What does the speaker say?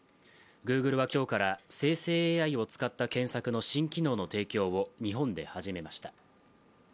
グーグルは今日から生成ＡＩを使った検索の新機能の提供を日本で始めました。